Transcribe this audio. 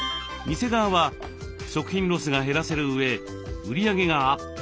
店側は食品ロスが減らせるうえ売り上げがアップ。